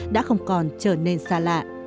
đã không còn trở nên xa lạ